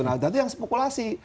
nah itu yang spokulasi